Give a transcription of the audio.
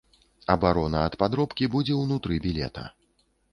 Абарона ад падробкі будзе ўнутры білета.